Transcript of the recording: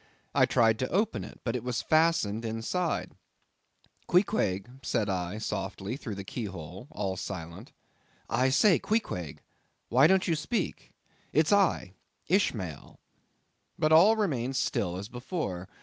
I tried to open it, but it was fastened inside. "Queequeg," said I softly through the key hole:—all silent. "I say, Queequeg! why don't you speak? It's I—Ishmael." But all remained still as before.